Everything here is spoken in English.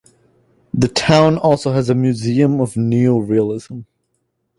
The town also has a Museum of Neo-Realism.